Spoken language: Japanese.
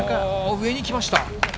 上に来ました。